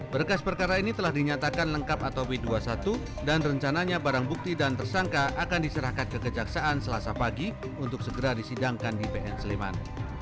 berkas perkara ini telah dinyatakan lengkap atau b dua puluh satu dan rencananya barang bukti dan tersangka akan diserahkan kekejaksaan selasa pagi untuk segera disidangkan di pn sleman